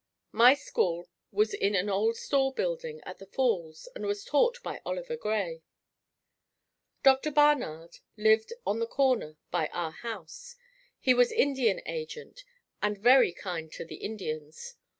My school was in an old store building at the falls and was taught by Oliver Gray. Dr. Barnard lived on the corner by our house. He was Indian agent and very kind to the Indians.